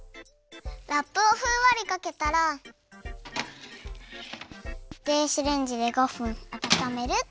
ラップをふんわりかけたら電子レンジで５分あたためるっと。